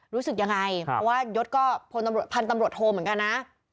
รู้สึกยังไงเพราะว่ายศก็พลตำรวจพันธุ์ตำรวจโทเหมือนกันนะ